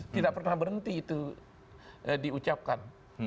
tidak pernah berhenti itu diucapkan